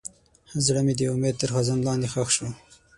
زړه مې د امید تر خزان لاندې ښخ شو.